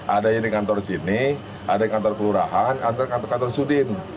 ada yang di kantor sini ada yang di kantor pelurahan ada yang di kantor kantor sudin